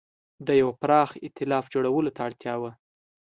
د یوه پراخ اېتلاف جوړولو ته اړتیا وه.